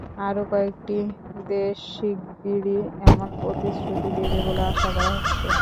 আরও কয়েকটি দেশ শিগগিরই এমন প্রতিশ্রুতি দেবে বলে আশা করা হচ্ছে।